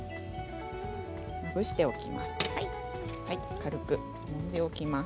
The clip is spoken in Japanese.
まぶしておきます。